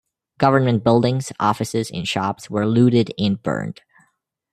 Government buildings, offices, and shops were looted and burned.